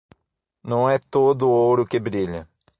Não é todo o ouro que brilha.